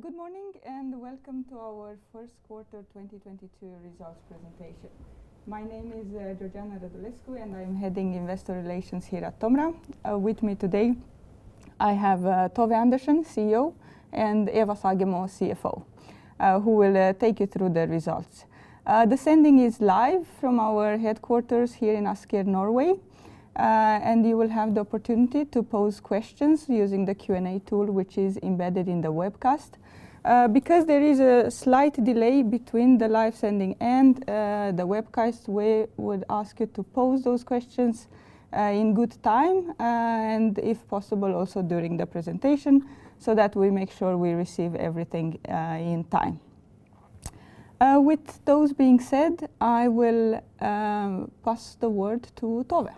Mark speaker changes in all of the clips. Speaker 1: Good morning and welcome to our first quarter 2022 results presentation. My name is Georgiana Radulescu, and I'm heading Investor Relations here at TOMRA. With me today I have Tove Andersen, CEO and Eva Sagemo, CFO, who will take you through the results. The session is live from our headquarters here in Asker, Norway. You will have the opportunity to pose questions using the Q&A tool which is embedded in the webcast. Because there is a slight delay between the live session and the webcast, we would ask you to pose those questions in good time, and if possible, also during the presentation so that we make sure we receive everything in time. With those being said, I will pass the word to Tove.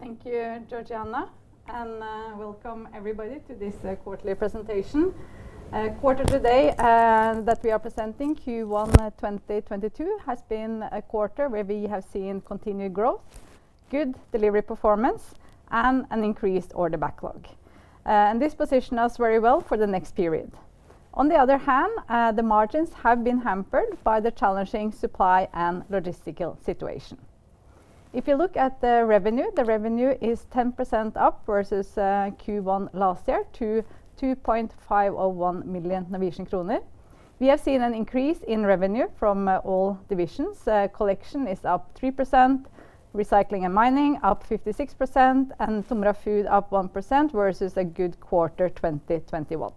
Speaker 2: Thank you Georgiana and welcome everybody to this quarterly presentation. Quarter to date that we are presenting, Q1 2022, has been a quarter where we have seen continued growth, good delivery performance, and an increased order backlog. This positions us very well for the next period. On the other hand, the margins have been hampered by the challenging supply and logistical situation. If you look at the revenue, the revenue is 10% up versus Q1 last year to 2.501 million Norwegian kroner. We have seen an increase in revenue from all divisions. Collection is up 3%, Recycling and Mining up 56%, and TOMRA Food up 1% versus a good quarter 2021.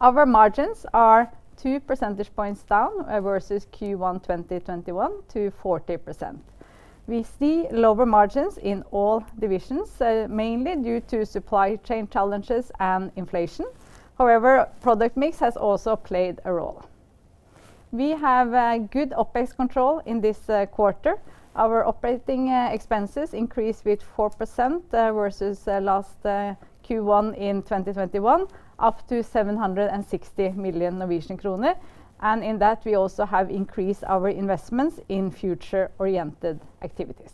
Speaker 2: Our margins are two percentage points down versus Q1 2021 to 40%. We see lower margins in all divisions, mainly due to supply chain challenges and inflation. However, product mix has also played a role. We have a good OpEx control in this quarter. Our operating expenses increased with 4% versus last Q1 in 2021, up to 760 million Norwegian kroner. In that we also have increased our investments in future-oriented activities.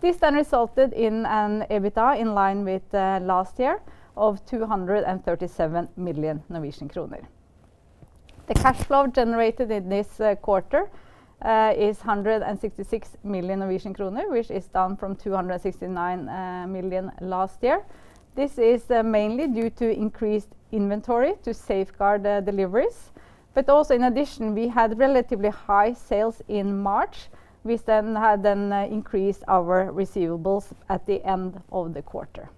Speaker 2: This then resulted in an EBITDA in line with last year of 237 million Norwegian kroner. The cash flow generated in this quarter is 166 million Norwegian kroner, which is down from 269 million last year. This is mainly due to increased inventory to safeguard deliveries. Also in addition, we had relatively high sales in March. We had increased our receivables at the end of the quarter.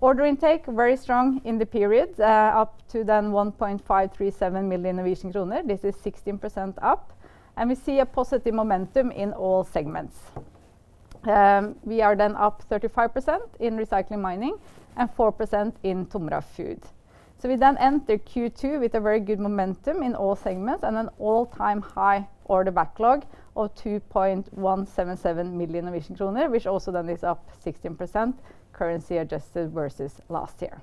Speaker 2: Order intake very strong in the period, up to 1.537 million Norwegian kroner. This is 16% up, and we see a positive momentum in all segments. We are up 35% in Recycling and Mining, and 4% in TOMRA Food. We end Q2 with a very good momentum in all segments and an all-time high order backlog of 2.177 million Norwegian kroner, which also is up 16% currency adjusted versus last year.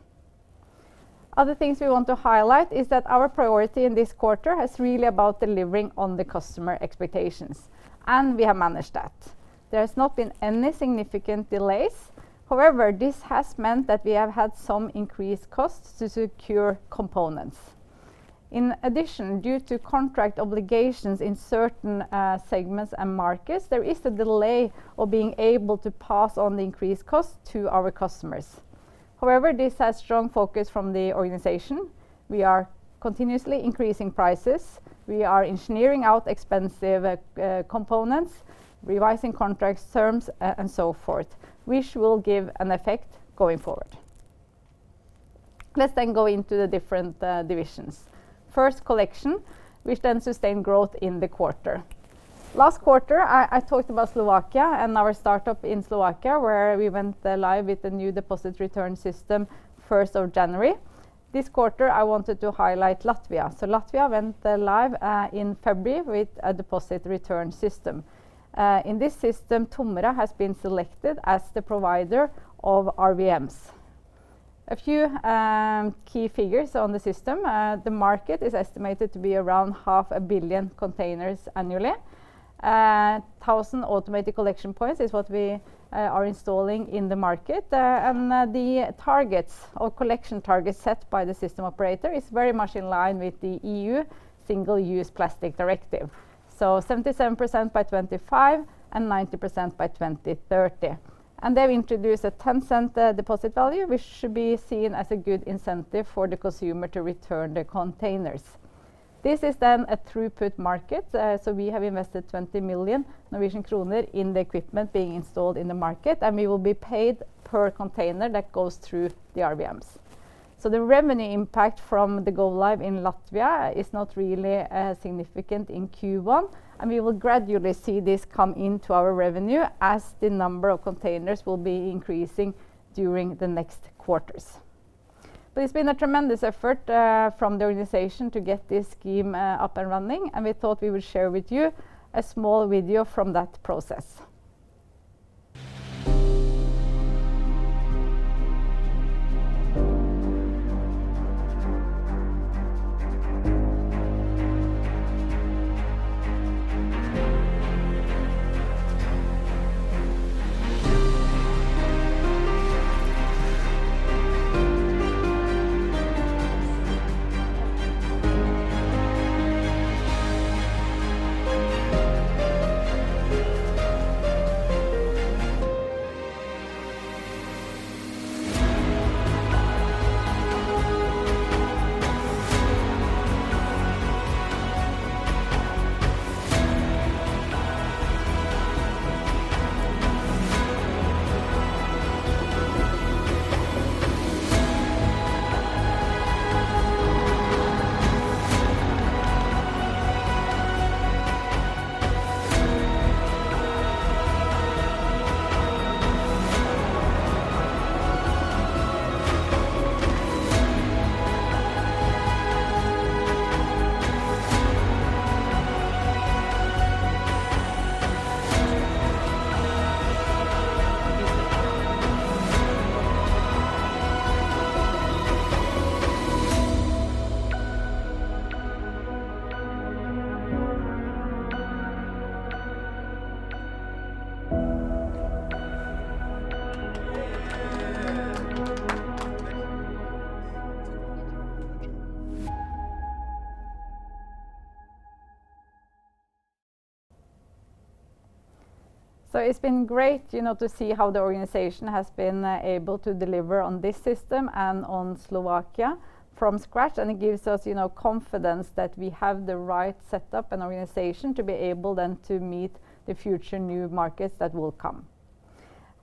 Speaker 2: Other things we want to highlight is that our priority in this quarter is really about delivering on the customer expectations, and we have managed that. There has not been any significant delays. However, this has meant that we have had some increased costs to secure components. In addition, due to contract obligations in certain segments and markets, there is a delay of being able to pass on the increased cost to our customers. However, this has strong focus from the organization. We are continuously increasing prices, we are engineering out expensive components, revising contract terms and so forth, which will give an effect going forward. Let's then go into the different divisions. First, Collection, which then sustained growth in the quarter. Last quarter, I talked about Slovakia and our startup in Slovakia, where we went live with the new deposit return system first of January. This quarter, I wanted to highlight Latvia. Latvia went live in February with a deposit return system. In this system, TOMRA has been selected as the provider of RVMs. A few key figures on the system. The market is estimated to be around 500 million containers annually. 1,000 automated collection points is what we are installing in the market. The targets or collection targets set by the system operator is very much in line with the EU Single-Use Plastics Directive, so 77% by 2025 and 90% by 2030. They've introduced a 0.10 deposit value which should be seen as a good incentive for the consumer to return the containers. This is then a throughput market, so we have invested 20 million Norwegian kroner in the equipment being installed in the market, and we will be paid per container that goes through the RVMs. The revenue impact from the go-live in Latvia is not really significant in Q1 and we will gradually see this come into our revenue as the number of containers will be increasing during the next quarters. It's been a tremendous effort from the organization to get this scheme up and running, and we thought we would share with you a small video from that process. It's been great, you know, to see how the organization has been able to deliver on this system and on Slovakia from scratch, and it gives us, you know, confidence that we have the right setup and organization to be able then to meet the future new markets that will come.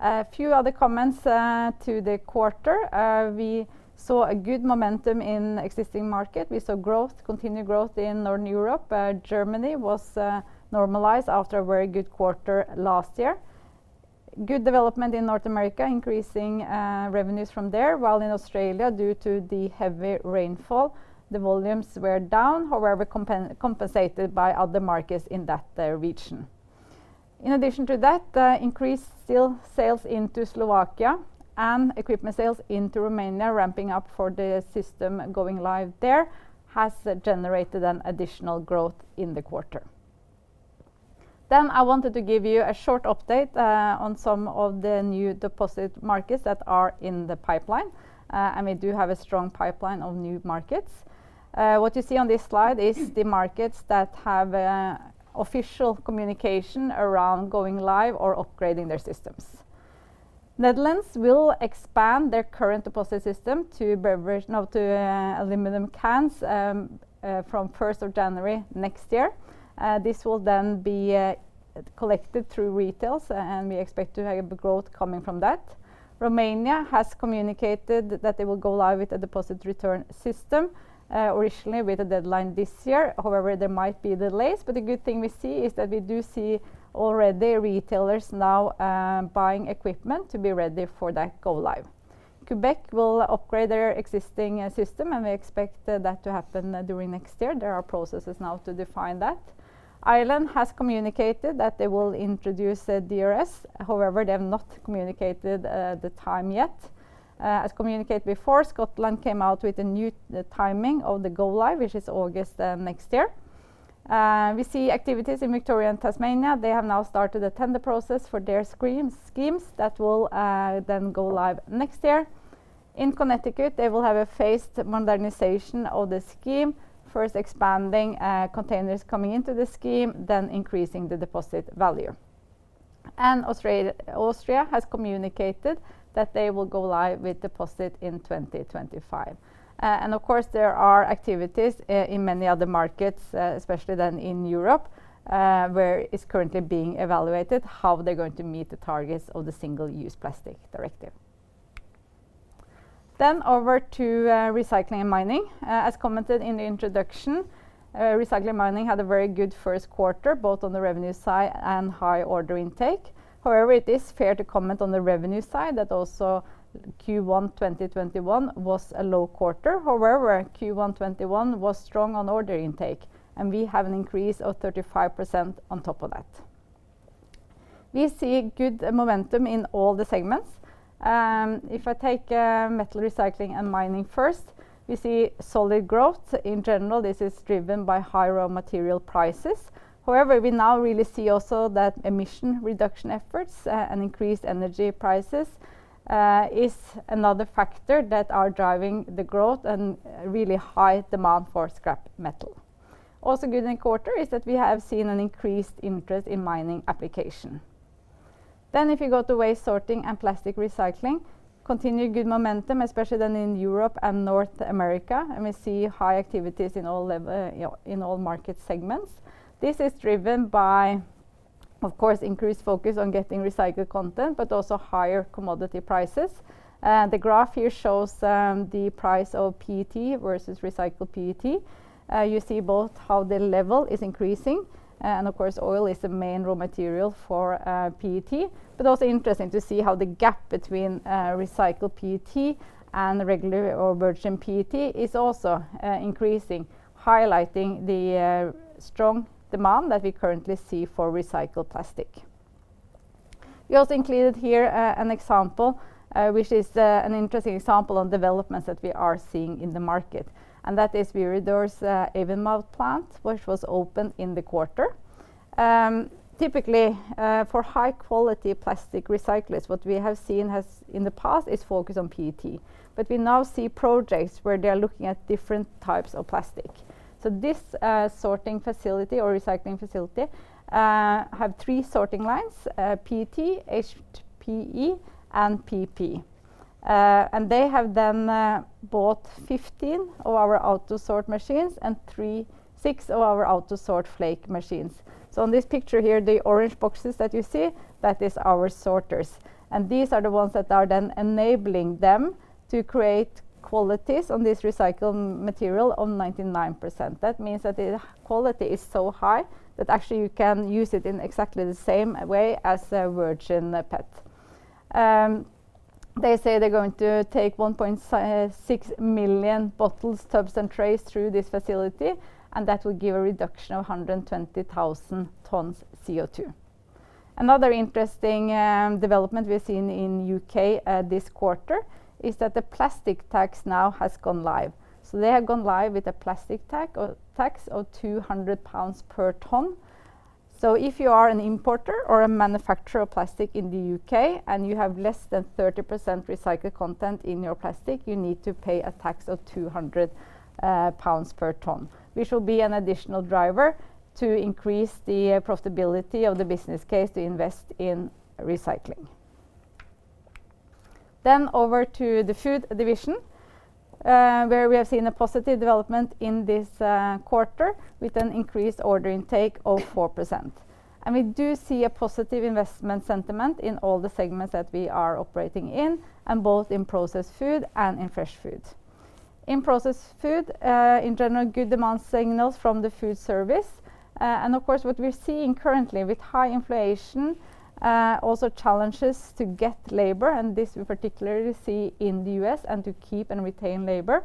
Speaker 2: A few other comments to the quarter. We saw a good momentum in existing market. We saw growth, continued growth in Northern Europe. Germany was normalized after a very good quarter last year. Good development in North America, increasing revenues from there, while in Australia, due to the heavy rainfall, the volumes were down, however, compensated by other markets in that region. In addition to that, the increased steel sales into Slovakia and equipment sales into Romania ramping up for the system going live there has generated an additional growth in the quarter. I wanted to give you a short update on some of the new deposit markets that are in the pipeline. We do have a strong pipeline of new markets. What you see on this slide is the markets that have official communication around going live or upgrading their systems. Netherlands will expand their current deposit system to aluminum cans from first of January next year. This will then be collected through retailers and we expect to have growth coming from that. Romania has communicated that they will go live with a deposit return system, originally with a deadline this year. However, there might be delays, but the good thing we see is that we do see already retailers now buying equipment to be ready for that go live. Quebec will upgrade their existing system, and we expect that to happen during next year. There are processes now to define that. Ireland has communicated that they will introduce a DRS. However, they have not communicated the time yet. As communicated before, Scotland came out with a new timing of the go-live, which is August next year. We see activities in Victoria and Tasmania. They have now started a tender process for their schemes that will then go live next year. In Connecticut, they will have a phased modernization of the scheme, first expanding containers coming into the scheme, then increasing the deposit value. Austria has communicated that they will go live with deposit in 2025. Of course, there are activities in many other markets, especially then in Europe, where it's currently being evaluated how they're going to meet the targets of the EU Single-Use Plastics Directive. Over to Recycling and Mining. As commented in the introduction, Recycling and Mining had a very good first quarter, both on the revenue side and high order intake. However, it is fair to comment on the revenue side that also Q1 2021 was a low quarter. However, Q1 2021 was strong on order intake, and we have an increase of 35% on top of that. We see good momentum in all the segments. If I take metal recycling and mining first, we see solid growth. In general, this is driven by high raw material prices. However, we now really see also that emission reduction efforts and increased energy prices is another factor that are driving the growth and really high demand for scrap metal. Also good in quarter is that we have seen an increased interest in mining application. Then if you go to waste sorting and plastic recycling, continued good momentum, especially then in Europe and North America and we see high activities in all market segments. This is driven by, of course, increased focus on getting recycled content, but also higher commodity prices. The graph here shows the price of PET versus recycled PET. You see both how the level is increasing, and of course, oil is the main raw material for PET. Also interesting to see how the gap between recycled PET and regular or virgin PET is also increasing, highlighting the strong demand that we currently see for recycled plastic. We also included here an example, which is an interesting example of developments that we are seeing in the market, and that is Viridor's Avonmouth plant, which was opened in the quarter. Typically, for high quality plastic recyclers, what we have seen in the past is focus on PET, but we now see projects where they are looking at different types of plastic. This sorting facility or recycling facility have three sorting lines, PET, HDPE and PP. They have then bought 15 of our AUTOSORT machines and six of our AUTOSORT FLAKE machines. On this picture here, the orange boxes that you see, that is our sorters, and these are the ones that are then enabling them to create qualities on this recycled material on 99%. That means that the quality is so high that actually you can use it in exactly the same way as virgin PET. They say they're going to take 1.6 million bottles, tubs and trays through this facility, and that will give a reduction of 120,000 tons CO2. Another interesting development we've seen in the U.K. this quarter is that the Plastic Packaging Tax now has gone live. They have gone live with a Plastic Packaging Tax, or tax of 200 pounds per ton. If you are an importer or a manufacturer of plastic in the UK and you have less than 30% recycled content in your plastic, you need to pay a tax of 200 pounds per ton, which will be an additional driver to increase the profitability of the business case to invest in recycling. Over to the food division, where we have seen a positive development in this quarter with an increased order intake of 4%. We do see a positive investment sentiment in all the segments that we are operating in and both in processed food and in fresh food. In processed food, in general, good demand signals from the food service. Of course, what we're seeing currently with high inflation, also challenges to get labor, and this we particularly see in the U.S., and to keep and retain labor,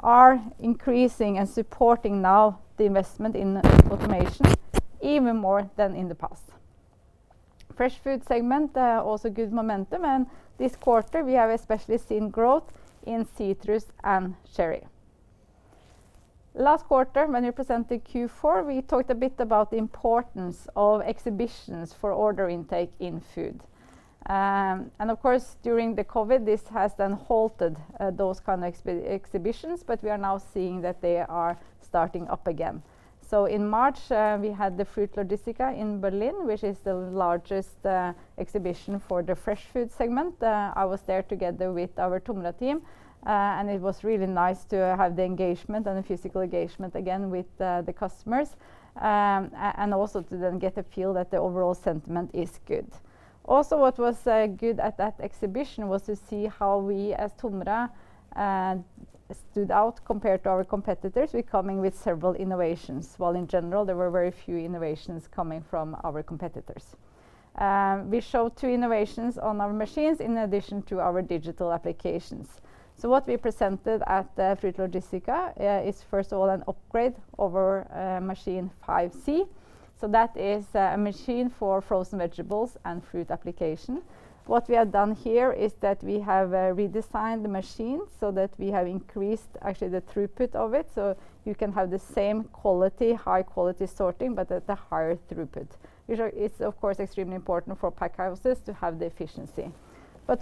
Speaker 2: are increasing and supporting now the investment in automation even more than in the past. Fresh food segment also good momentum, and this quarter we have especially seen growth in citrus and cherry. Last quarter, when we presented Q4, we talked a bit about the importance of exhibitions for order intake in food. Of course, during the COVID, this has then halted, those kind of exhibitions but we are now seeing that they are starting up again. In March, we had the Fruit Logistica in Berlin, which is the largest exhibition for the fresh food segment. I was there together with our TOMRA team and it was really nice to have the engagement and the physical engagement again with the customers, and also to then get a feel that the overall sentiment is good. Also, what was good at that exhibition was to see how we, as TOMRA, stood out compared to our competitors. We're coming with several innovations, while in general, there were very few innovations coming from our competitors. We showed two innovations on our machines in addition to our digital applications. What we presented at the Fruit Logistica is first of all an upgrade of our machine 5C. That is a machine for frozen vegetables and fruit application. What we have done here is that we have redesigned the machine so that we have increased actually the throughput of it, so you can have the same quality, high quality sorting, but at a higher throughput, which is of course extremely important for pack houses to have the efficiency.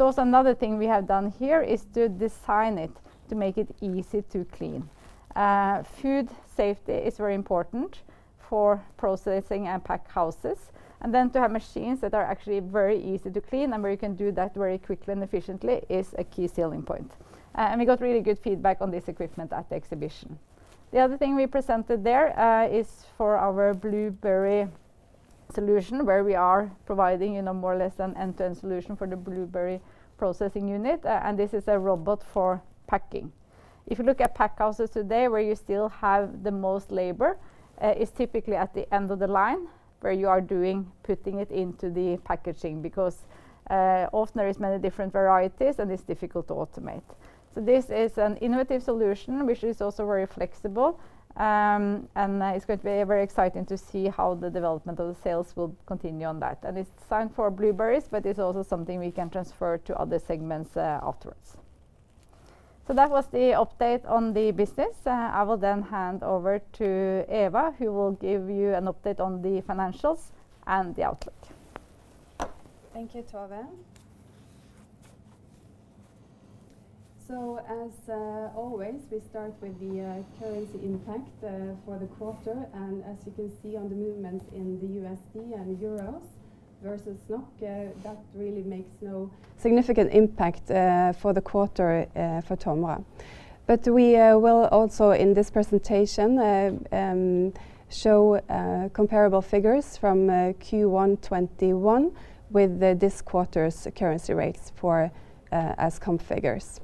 Speaker 2: Also another thing we have done here is to design it to make it easy to clean. Food safety is very important for processing and pack houses and then to have machines that are actually very easy to clean and where you can do that very quickly and efficiently is a key selling point. We got really good feedback on this equipment at the exhibition. The other thing we presented there is for our blueberry solution, where we are providing, you know, more or less an end-to-end solution for the blueberry processing unit, and this is a robot for packing. If you look at pack houses today, where you still have the most labor, it's typically at the end of the line where you are putting it into the packaging because often there is many different varieties and it's difficult to automate. This is an innovative solution which is also very flexible and it's going to be very exciting to see how the development of the sales will continue on that. It's designed for blueberries, but it's also something we can transfer to other segments afterwards. That was the update on the business. I will then hand over to Eva, who will give you an update on the financials and the outlook.
Speaker 3: Thank you, Tove. As always we start with the currency impact for the quarter and as you can see on the movements in the USD and EUR versus NOK, that really makes no significant impact for the quarter for TOMRA. We will also in this presentation show comparable figures from Q1 2021 with this quarter's currency rates for FX purposes.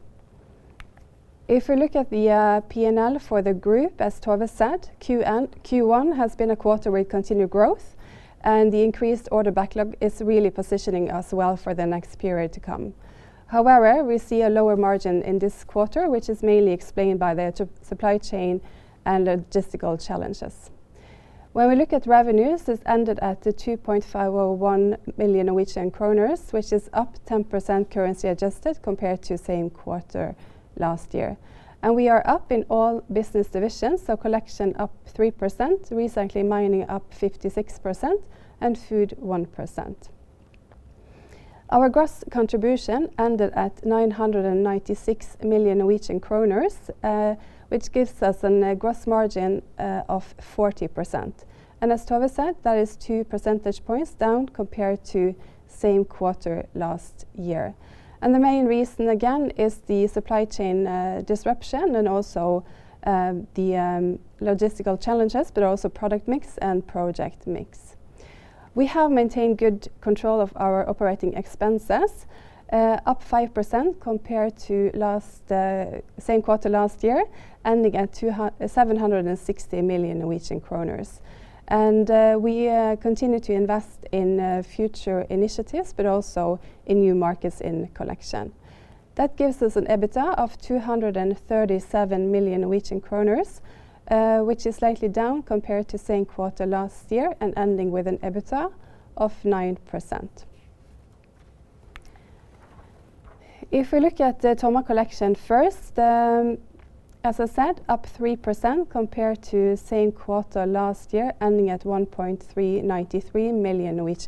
Speaker 3: If we look at the P&L for the group, as Tove said, Q1 has been a quarter with continued growth, and the increased order backlog is really positioning us well for the next period to come. However, we see a lower margin in this quarter, which is mainly explained by the supply chain and logistical challenges. When we look at revenues, it's ended at 2.501 billion Norwegian kroner, which is up 10% currency adjusted compared to same quarter last year. We are up in all business divisions, so collection up 3%, recycling & mining up 56%, and food 1%. Our gross contribution ended at 996 million Norwegian kroner, which gives us a gross margin of 40%. As Tove said, that is two percentage points down compared to same quarter last year. The main reason again is the supply chain disruption and also the logistical challenges, but also product mix and project mix. We have maintained good control of our operating expenses, up 5% compared to same quarter last year, ending at 760 million Norwegian kroner. We continue to invest in future initiatives, but also in new markets in collection. That gives us an EBITDA of 237 million Norwegian kroner, which is slightly down compared to same quarter last year and ending with an EBITDA of 9%. If we look at the TOMRA Collection first, as I said, up 3% compared to same quarter last year, ending at 139.3 million NOK.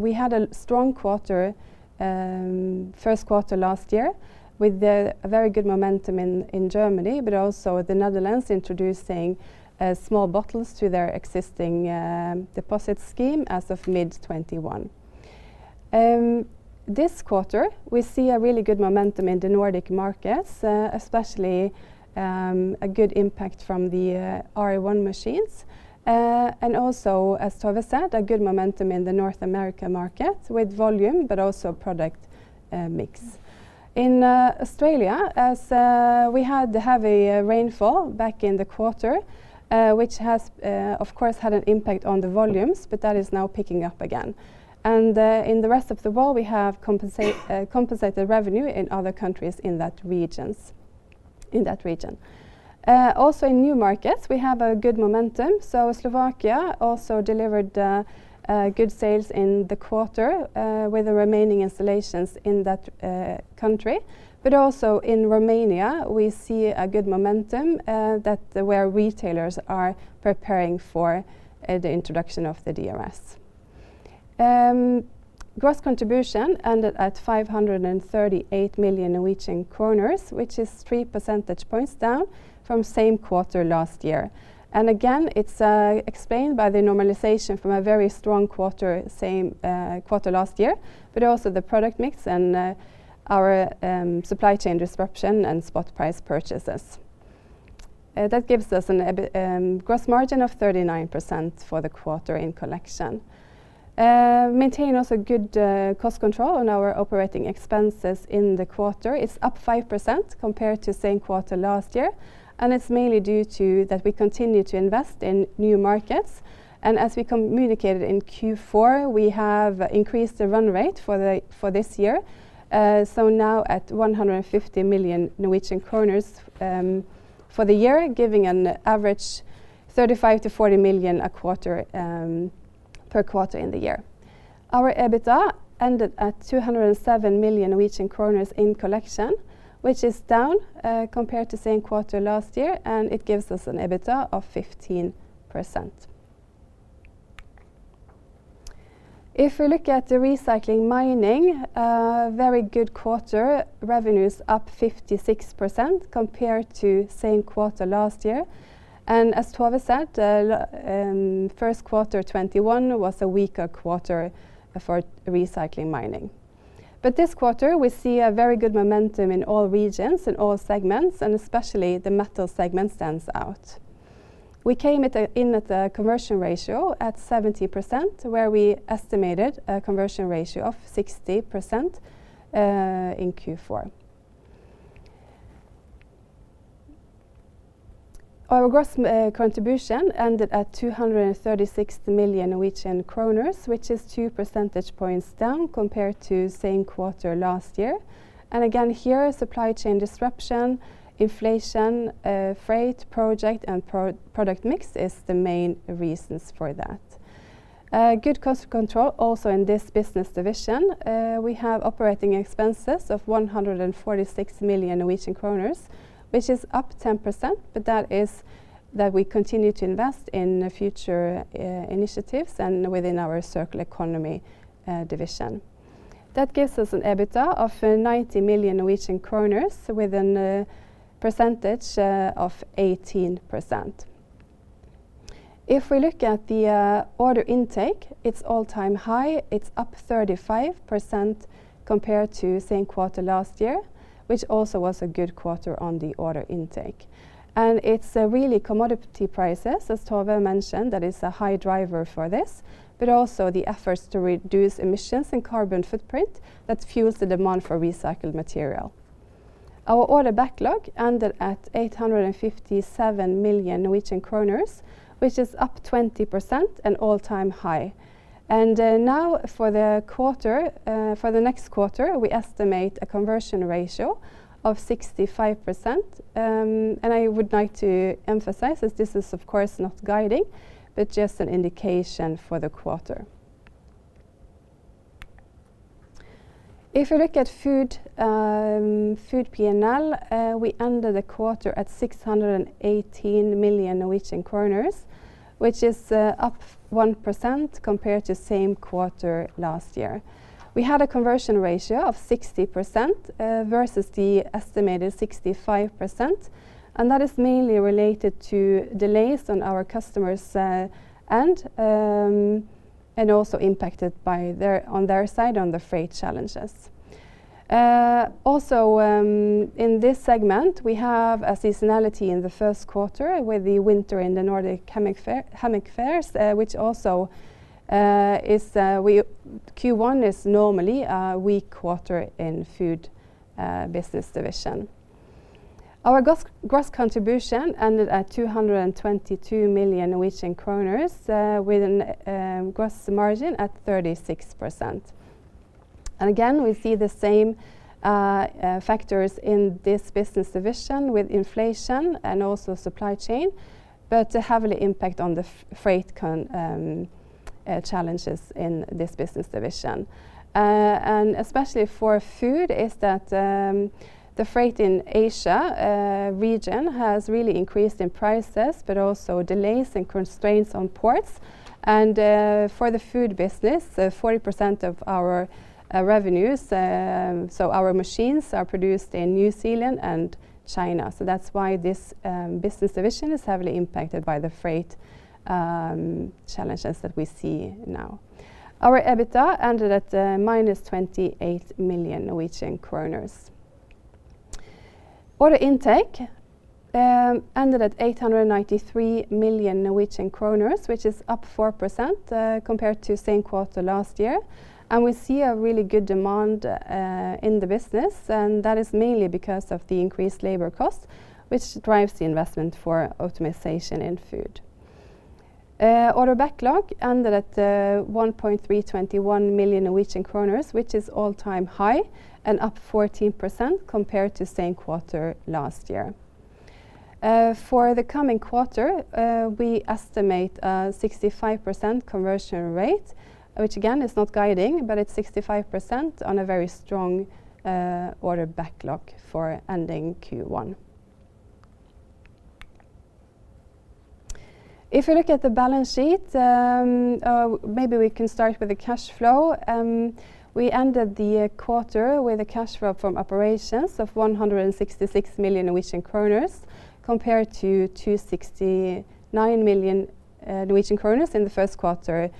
Speaker 3: We had a strong quarter, first quarter last year with a very good momentum in Germany, but also the Netherlands introducing small bottles to their existing deposit scheme as of mid-2021. This quarter, we see a really good momentum in the Nordic markets, especially a good impact from the R1 machines. As Tove said, a good momentum in the North America market with volume but also product mix. In Australia, as we had the heavy rainfall back in the quarter, which has, of course, had an impact on the volumes, but that is now picking up again. In the rest of the world, we have compensated revenue in other countries in that region. Also in new markets, we have a good momentum. Slovakia also delivered good sales in the quarter with the remaining installations in that country. Also in Romania, we see a good momentum that where retailers are preparing for the introduction of the DRS. Gross contribution ended at 538 million Norwegian kroner, which is 3 percentage points down from same quarter last year. Again, it's explained by the normalization from a very strong quarter, same quarter last year, but also the product mix and our supply chain disruption and spot price purchases. That gives us a gross margin of 39% for the quarter in collection. Maintain also good cost control on our operating expenses in the quarter. It's up 5% compared to same quarter last year, and it's mainly due to that we continue to invest in new markets. As we communicated in Q4, we have increased the run rate for this year. Now at 150 million Norwegian kroner for the year, giving an average 35 million-40 million a quarter per quarter in the year. Our EBITDA ended at 207 million Norwegian kroner in collection, which is down compared to same quarter last year, and it gives us an EBITDA of 15%. If we look at the Recycling & Mining, a very good quarter. Revenue's up 56% compared to same quarter last year. As Tove said, first quarter 2021 was a weaker quarter for Recycling and Mining. This quarter, we see a very good momentum in all regions and all segments, and especially the metal segment stands out. We came in at a conversion ratio of 70%, where we estimated a conversion ratio of 60% in Q4. Our gross contribution ended at 236 million Norwegian kroner, which is 2 percentage points down compared to same quarter last year. Again, here, supply chain disruption, inflation, freight, project, and product mix is the main reasons for that. Good cost control also in this business division. We have operating expenses of 146 million Norwegian kroner, which is up 10%, but that is that we continue to invest in future initiatives and within our circular economy division. That gives us an EBITDA of 90 million Norwegian kroner with a percentage of 18%. If we look at the order intake, it's all-time high. It's up 35% compared to same quarter last year, which also was a good quarter on the order intake. It's really commodity prices, as Tove mentioned that is a high driver for this, but also the efforts to reduce emissions and carbon footprint that fuels the demand for recycled material. Our order backlog ended at 857 million Norwegian kroner, which is up 20% and all-time high. Now for the quarter, for the next quarter, we estimate a conversion ratio of 65%. I would like to emphasize that this is of course not guiding, but just an indication for the quarter. If we look at food P&L, we ended the quarter at 618 million Norwegian kroner, which is up 1% compared to same quarter last year. We had a conversion ratio of 60% versus the estimated 65%, and that is mainly related to delays on our customers' end and also impacted by their side on the freight challenges. Also, in this segment, we have a seasonality in the first quarter with the winter and the Nordic chemical fairs. Q1 is normally a weak quarter in food business division. Our gross contribution ended at 222 million Norwegian kroner with a gross margin at 36%. Again we see the same factors in this business division with inflation and also supply chain, but heavy impact on the freight cost challenges in this business division. Especially for food is that the freight in Asia region has really increased in prices but also delays and constraints on ports. For the food business, 40% of our revenues so our machines are produced in New Zealand and China. That's why this business division is heavily impacted by the freight challenges that we see now. Our EBITDA ended at -28 million Norwegian kroner. Order intake ended at 893 million Norwegian kroner, which is up 4% compared to same quarter last year. We see a really good demand in the business, and that is mainly because of the increased labor cost, which drives the investment for optimization in food. Order backlog ended at 1.321 million Norwegian kroner, which is all-time high and up 14% compared to same quarter last year. For the coming quarter, we estimate a 65% conversion rate, which again is not guiding, but it's 65% on a very strong order backlog for ending Q1. If you look at the balance sheet, maybe we can start with the cash flow. We ended the quarter with a cash flow from operations of 166 million Norwegian kroner compared to 269 million Norwegian kroner in the first quarter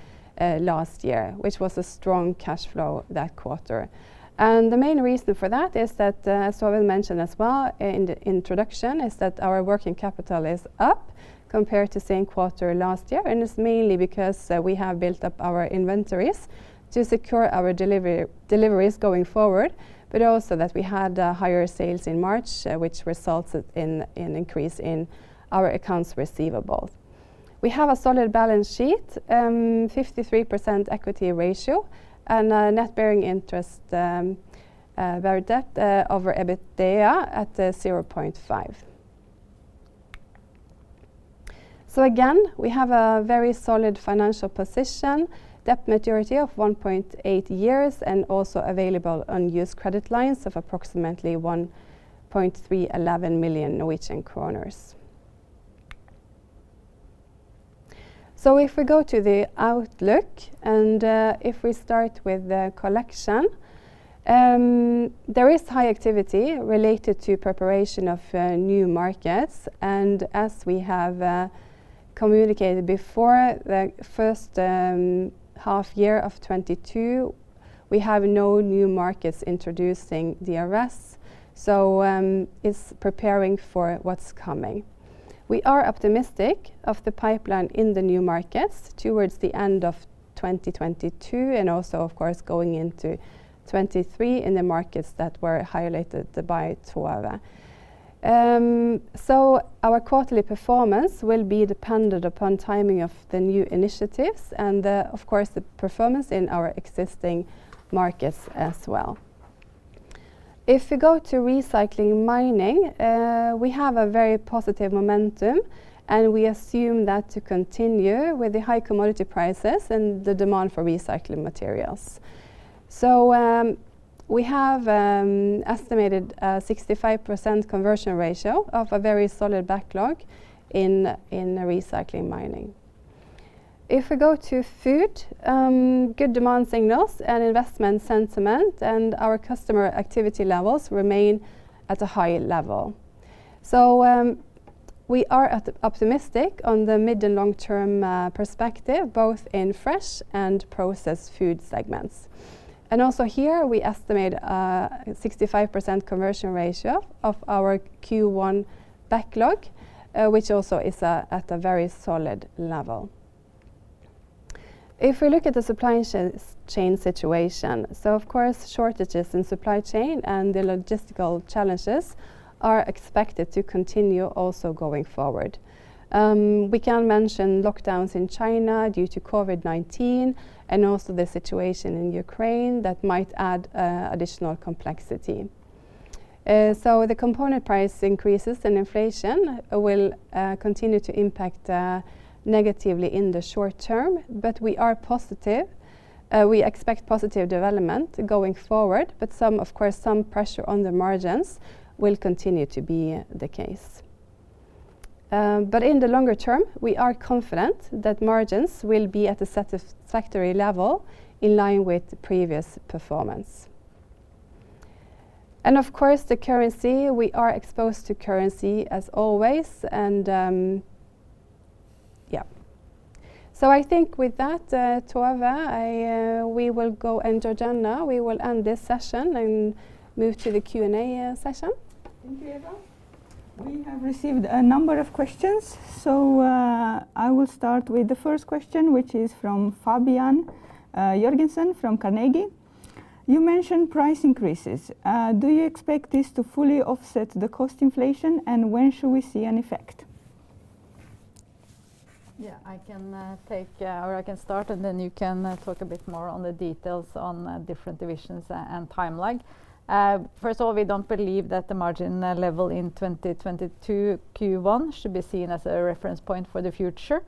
Speaker 3: last year which was a strong cash flow that quarter. The main reason for that is that I will mention as well in the introduction that our working capital is up compared to the same quarter last year, and it's mainly because we have built up our inventories to secure our deliveries going forward, but also that we had higher sales in March, which resulted in an increase in our accounts receivables. We have a solid balance sheet, 53% equity ratio and a net interest-bearing debt over EBITDA at 0.5. We have a very solid financial position, debt maturity of 1.8 years and also available unused credit lines of approximately 131 million Norwegian kroner. If we go to the outlook, if we start with the collection, there is high activity related to preparation of new markets. As we have communicated before, the first half year of 2022, we have no new markets introducing DRS, so it's preparing for what's coming. We are optimistic of the pipeline in the new markets towards the end of 2022 and also of course going into 2023 in the markets that were highlighted by Tove Andersen. Our quarterly performance will be dependent upon timing of the new initiatives and, of course, the performance in our existing markets as well. If we go to recycling & mining, we have a very positive momentum and we assume that to continue with the high commodity prices and the demand for recycling materials. We have estimated a 65% conversion ratio of a very solid backlog in recycling and mining. If we go to food, good demand signals and investment sentiment and our customer activity levels remain at a high level. We are optimistic on the mid- and long-term perspective, both in fresh and processed food segments. We estimate a 65% conversion ratio of our Q1 backlog, which also is at a very solid level. If we look at the supply chain situation, of course, shortages in supply chain and the logistical challenges are expected to continue also going forward. We can mention lockdowns in China due to COVID-19 and also the situation in Ukraine that might add additional complexity. The component price increases and inflation will continue to impact negatively in the short term. We are positive. We expect positive development going forward, but, of course, some pressure on the margins will continue to be the case. In the longer term, we are confident that margins will be at a satisfactory level in line with previous performance. Of course, the currency. We are exposed to currency as always, and yeah. I think with that Tove, we will go. Georgiana, we will end this session and move to the Q&A session.
Speaker 1: Thank you, Eva. We have received a number of questions, so I will start with the first question, which is from Fabian Jørgensen from Carnegie. You mentioned price increases. Do you expect this to fully offset the cost inflation, and when should we see an effect?
Speaker 2: Yeah, I can take, or I can start and then you can talk a bit more on the details on different divisions and timeline. First of all, we don't believe that the margin level in 2022 Q1 should be seen as a reference point for the future.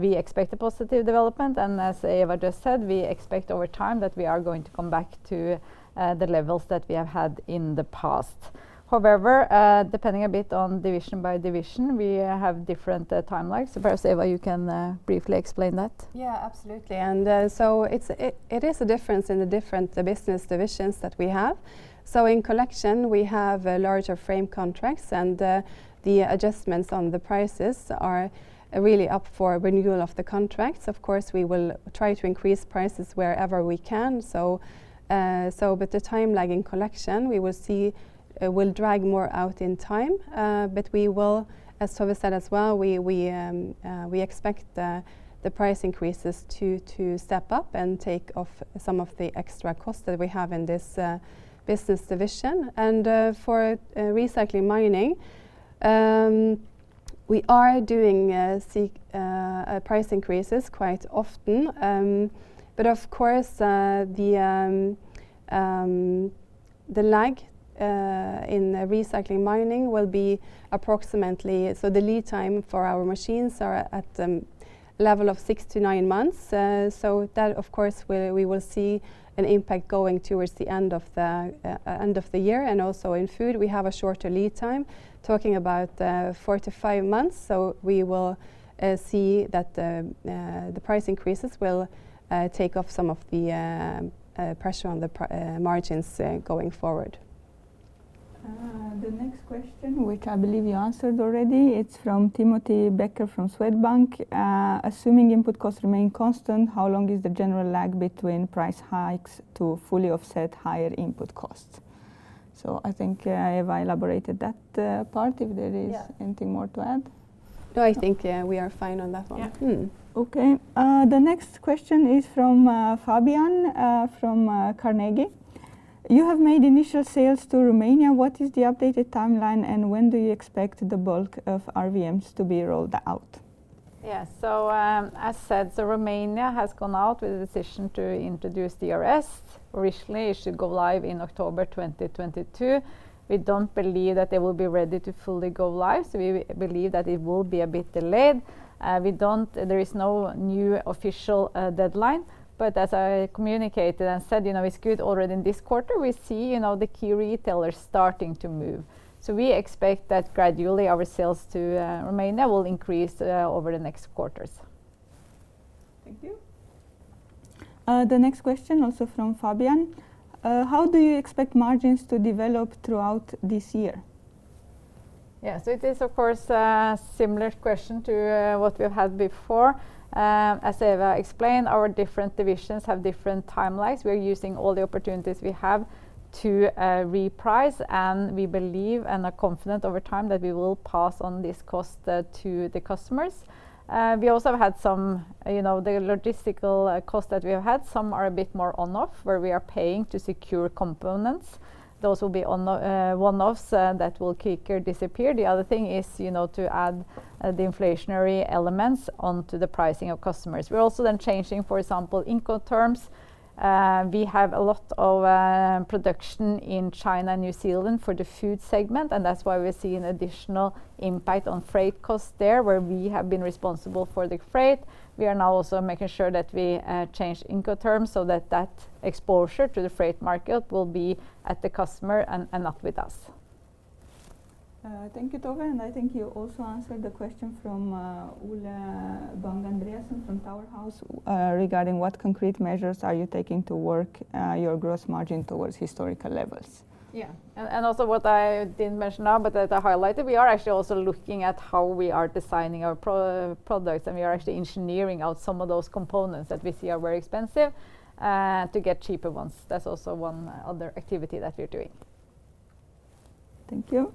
Speaker 2: We expect a positive development, and as Eva just said, we expect over time that we are going to come back to the levels that we have had in the past. However, depending a bit on division by division, we have different timelines. Perhaps Eva, you can briefly explain that.
Speaker 3: Yeah, absolutely. It is a difference in the different business divisions that we have. In collection, we have larger frame contracts, and the adjustments on the prices are really up for renewal of the contracts. Of course, we will try to increase prices wherever we can. The time lag in collection, we will see, will drag more out in time. We will, as Tove said as well, expect the price increases to step up and take off some of the extra costs that we have in this business division. For Recycling Mining, we are doing price increases quite often. Of course, the lag in Recycling Mining will be approximately. The lead time for our machines are at level of six to nine months. That, of course, we will see an impact going towards the end of the year. Also in food, we have a shorter lead time, talking about four to five months. We will see that the price increases will take off some of the pressure on the margins going forward.
Speaker 1: The next question which I believe you answered already, it's from Timothy Becker from Swedbank. Assuming input costs remain constant, how long is the general lag between price hikes to fully offset higher input costs? I think Eva elaborated that part.
Speaker 3: Yeah.
Speaker 1: Is there anything more to add?
Speaker 3: No, I think yeah, we are fine on that one.
Speaker 2: Yeah.
Speaker 1: The next question is from Fabian Jørgensen from Carnegie: You have made initial sales to Romania. What is the updated timeline, and when do you expect the bulk of RVMs to be rolled out?
Speaker 2: Romania has gone out with a decision to introduce DRS. Originally, it should go live in October 2022. We don't believe that they will be ready to fully go live, so we believe that it will be a bit delayed. There is no new official deadline, but as I communicated and said, you know, it's good already in this quarter, we see, you know, the key retailers starting to move. We expect that gradually our sales to Romania will increase over the next quarters.
Speaker 1: Thank you. The next question also from Fabian: How do you expect margins to develop throughout this year?
Speaker 2: Yeah. It is, of course, a similar question to what we've had before. As Eva explained, our different divisions have different timelines. We're using all the opportunities we have to reprice, and we believe and are confident over time that we will pass on this cost to the customers. We also have had some, you know, the logistical cost that we have had. Some are a bit more on/off, where we are paying to secure components. Those will be one-offs that will keep or disappear. The other thing is, you know, to add the inflationary elements onto the pricing of customers. We're also then changing, for example, incoterms. We have a lot of production in China and New Zealand for the food segment, and that's why we're seeing additional impact on freight costs there, where we have been responsible for the freight. We are now also making sure that we change incoterms so that that exposure to the freight market will be at the customer and not with us.
Speaker 1: Thank you Tove, and I think you also answered the question from Ole Bang-Andreasen from Tower House Partners, regarding what concrete measures are you taking to work your gross margin towards historical levels?
Speaker 2: Yeah. Also what I didn't mention now but as I highlighted, we are actually also looking at how we are designing our products, and we are actually engineering out some of those components that we see are very expensive to get cheaper ones. That's also one other activity that we're doing.
Speaker 1: Thank you.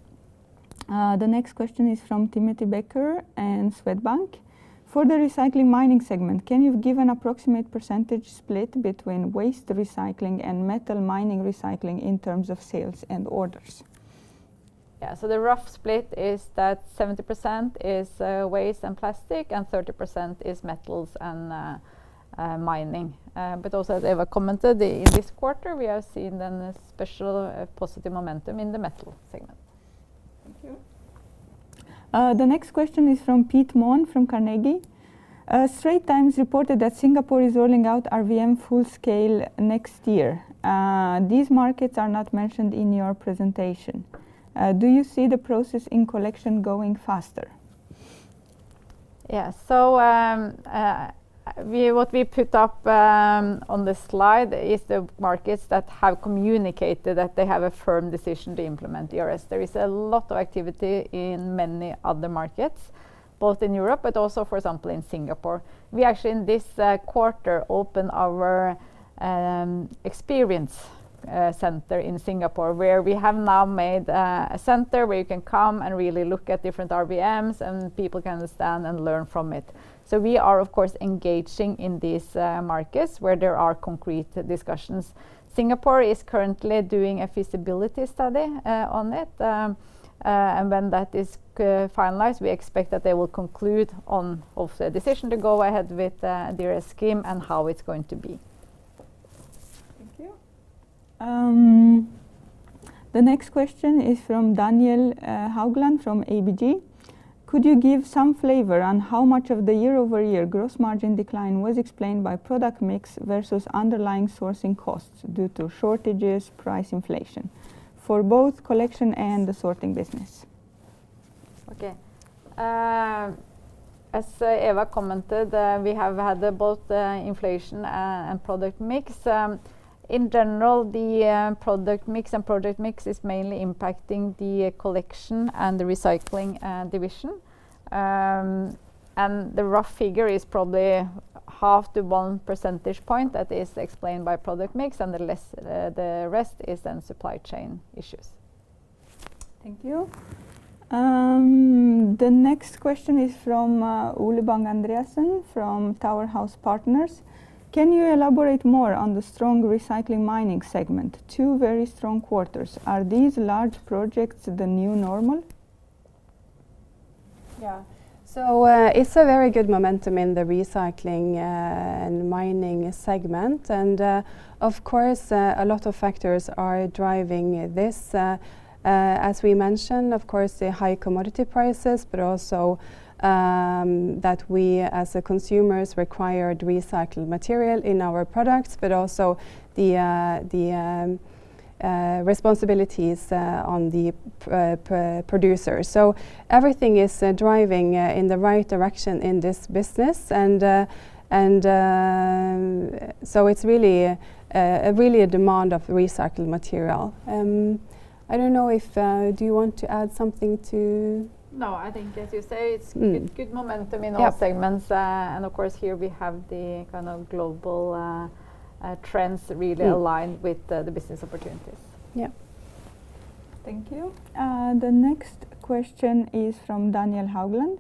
Speaker 1: The next question is from Timothy Becker in Swedbank: For the Recycling Mining segment, can you give an approximate percentage split between waste recycling and metal mining recycling in terms of sales and orders?
Speaker 2: Yeah, the rough split is that 70% is waste and plastic, and 30% is metals and mining. Also as Eva commented, in this quarter we have seen then a special positive momentum in the metal segment.
Speaker 1: Thank you. The next question is from Pete Monn from Carnegie. Straits Times reported that Singapore is rolling out RVM full scale next year. These markets are not mentioned in your presentation. Do you see the process in collection going faster?
Speaker 2: What we put up on the slide is the markets that have communicated that they have a firm decision to implement DRS. There is a lot of activity in many other markets, both in Europe, but also, for example, in Singapore. We actually in this quarter opened our experience center in Singapore, where we have now made a center where you can come and really look at different RVMs, and people can understand and learn from it. We are of course engaging in these markets where there are concrete discussions. Singapore is currently doing a feasibility study on it. When that is finalized, we expect that they will conclude on the decision to go ahead with the DRS scheme and how it's going to be.
Speaker 1: Thank you. The next question is from Daniel Haugland from ABG. Could you give some flavor on how much of the year-over-year gross margin decline was explained by product mix versus underlying sourcing costs due to shortages, price inflation, for both collection and the sorting business?
Speaker 2: Okay. As Eva commented, we have had both inflation and product mix. In general, the product mix is mainly impacting the collection and the recycling division. The rough figure is probably half to 1 percentage point that is explained by product mix, and the rest is then supply chain issues.
Speaker 1: Thank you. The next question is from Ole Bang-Andreasen from Tower House Partners. Can you elaborate more on the strong Recycling & Mining segment? Two very strong quarters. Are these large projects the new normal?
Speaker 3: Yeah. It's a very good momentum in the recycling and mining segment, and of course a lot of factors are driving this. As we mentioned, of course, the high commodity prices, but also that we as the consumers required recycled material in our products, but also the responsibilities on the producers. Everything is driving in the right direction in this business, and so it's really a demand of recycled material. I don't know if Do you want to add something to -
Speaker 2: No, I think as you say, it's good momentum in all segments. Of course here we have the kind of global trends really aligned with the business opportunities.
Speaker 3: Yeah.
Speaker 1: Thank you. The next question is from Daniel Haugland.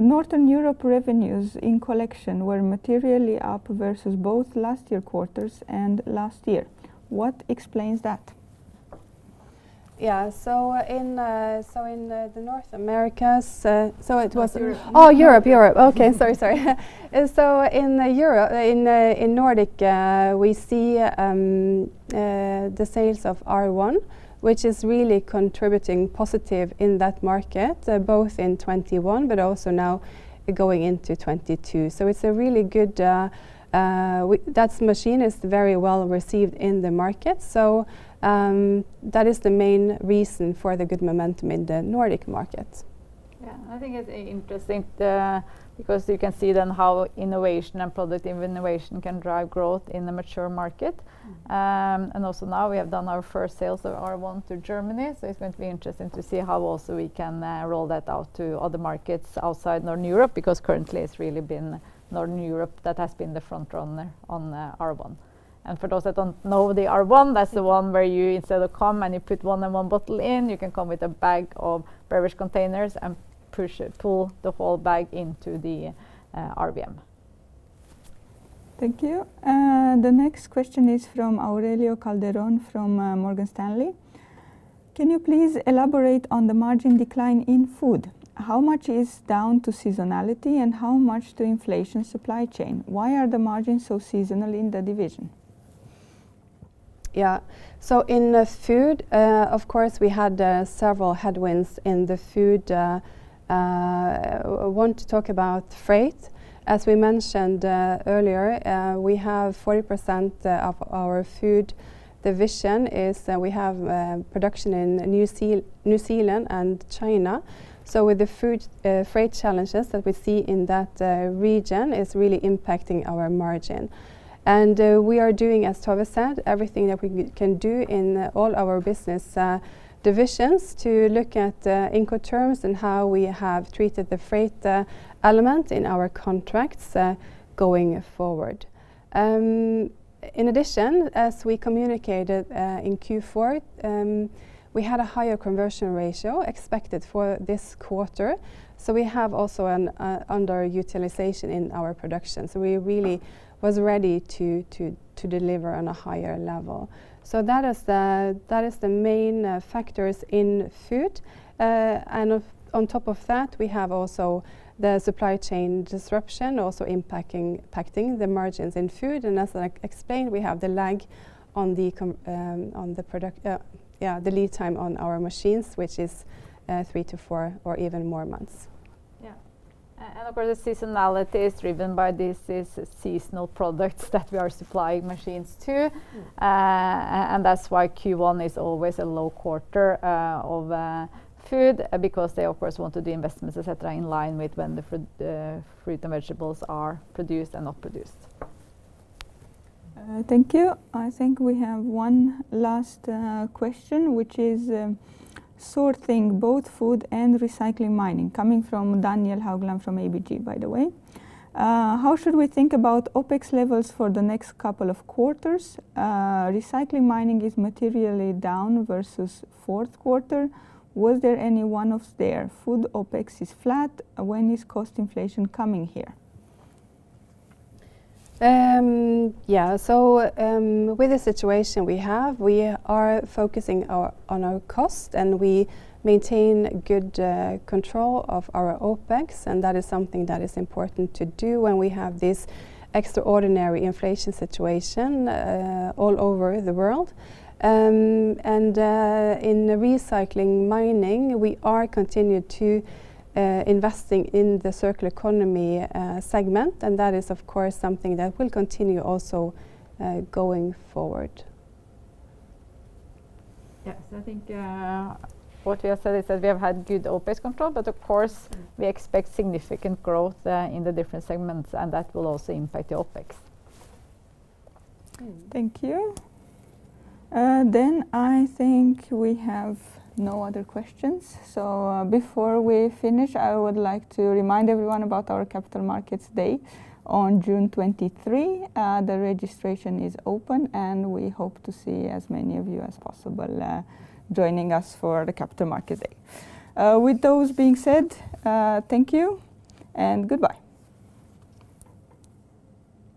Speaker 1: Northern Europe revenues in collection were materially up versus both last year quarters and last year. What explains that?
Speaker 3: Yeah. In North America, it was -
Speaker 2: North Europe.
Speaker 3: Europe sorry, sorry. In Nordic, we see the sales of R1, which is really contributing positive in that market, both in 2021, but also now going into 2022. It's a really good that machine is very well received in the market. That is the main reason for the good momentum in the Nordic market.
Speaker 2: Yeah. I think it's interesting because you can see then how innovation and product innovation can drive growth in the mature market. Also now we have done our first sales of R1 to Germany, so it's going to be interesting to see how also we can roll that out to other markets outside Northern Europe, because currently it's really been Northern Europe that has been the front runner on R1. For those that don't know the R1, that's the one where you instead of come and you put one and one bottle in, you can come with a bag of beverage containers and push it, pull the whole bag into the RVM.
Speaker 1: Thank you. The next question is from Aurelio Calderon from Morgan Stanley. Can you please elaborate on the margin decline in food? How much is down to seasonality, and how much to inflation supply chain? Why are the margins so seasonal in the division?
Speaker 3: Yeah. In food, of course we had several headwinds in the food. I want to talk about freight. As we mentioned earlier, we have 40% of our food division production in New Zealand and China. With the food freight challenges that we see in that region is really impacting our margin. We are doing, as Tove said, everything that we can do in all our business divisions to look at Incoterms and how we have treated the freight element in our contracts going forward. In addition, as we communicated in Q4, we had a higher conversion ratio expected for this quarter, so we have also an underutilization in our production. We really was ready to deliver on a higher level. That is the main factors in food. On top of that, we have also the supply chain disruption also impacting the margins in food. As I explained, we have the lead time on our machines, which is three to four or even more months.
Speaker 2: Yeah.
Speaker 3: Of course, the seasonality is driven by seasonal products that we are supplying machines to. And that's why Q1 is always a low quarter of Food, because they, of course, want to do investments, et cetera, in line with when the food, the fruit and vegetables are produced and not produced.
Speaker 1: Thank you. I think we have one last question, which is sorting both Food and Recycling Mining, coming from Daniel Haugland from ABG, by the way. How should we think about OpEx levels for the next couple of quarters? Recycling & Mining is materially down versus fourth quarter. Was there any one-off there? Food OpEx is flat. When is cost inflation coming here?
Speaker 3: With the situation we have, we are focusing on our costs, and we maintain good control of our OpEx, and that is something that is important to do when we have this extraordinary inflation situation all over the world. In the Recycling Mining, we continue to invest in the circular economy segment, and that is of course something that will continue also going forward.
Speaker 2: Yes. I think, what we have said is that we have had good OpEx control, but of course we expect significant growth, in the different segments, and that will also impact the OpEx.
Speaker 1: Thank you. I think we have no other questions. Before we finish, I would like to remind everyone about our Capital Markets Day on June 23. The registration is open, and we hope to see as many of you as possible, joining us for the Capital Markets Day. With those being said, thank you and goodbye.